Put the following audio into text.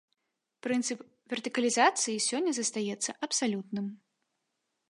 Прынцып вертыкалізацыі сёння застаецца абсалютным.